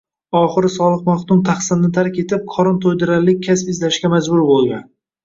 Oxiri Solih maxdum tahsilni tark etib, qorin to’ydirarlik kasb izlashga majbur bo’lgan.